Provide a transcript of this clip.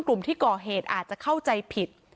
กลุ่มที่ก่อเหตุอาจจะเข้าใจผิด